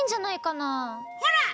ほら！